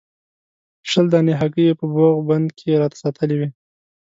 شل دانې هګۍ یې په بوغ بند کې راته ساتلې وې.